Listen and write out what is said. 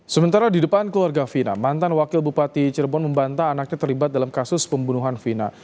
sementara di depan keluarga vina mantan wakil bupati cirebon membantah anaknya terlibat dalam kasus pembunuhan vina